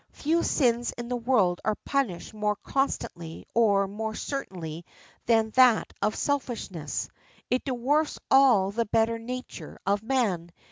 Few sins in the world are punished more constantly or more certainly than that of selfishness. It dwarfs all the better nature of man.